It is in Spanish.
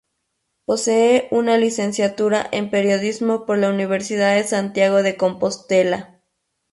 Posee una licenciatura en Periodismo por la Universidad de Santiago de Compostela.